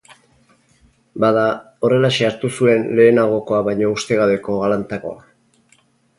Bada, horrelaxe hartu zuen lehenagokoa baino ustekabeko galantagoa.